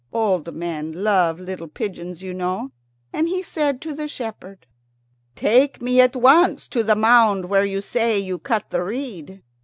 Old men love little pigeons, you know. And he said to the shepherd, "Take me at once to the mound, where you say you cut the reed."